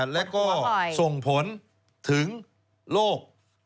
แล้วก็ส่งผลถึงโลก